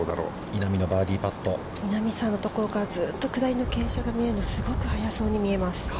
◆稲見さんのところから、ずっと下りの傾斜が見えるのすごく速そうに見えます。